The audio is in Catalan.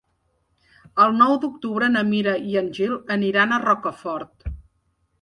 El nou d'octubre na Mira i en Gil aniran a Rocafort.